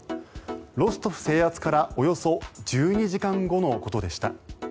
ロストフ制圧からおよそ１２時間後のことでした。